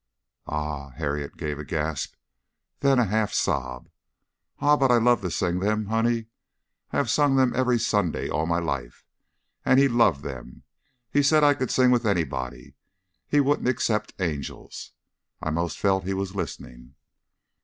"Ah!" Harriet gave a gasp, then a half sob. "Ah! But I love to sing them, honey. I have sung them every Sunday all my life, and he loved them. He said I could sing with anybody, he wouldn't except angels. I 'most felt he was listening."